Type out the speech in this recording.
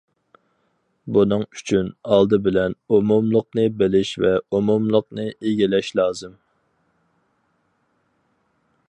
بۇنىڭ ئۈچۈن، ئالدى بىلەن، ئومۇملۇقنى بىلىش ۋە ئومۇملۇقنى ئىگىلەش لازىم.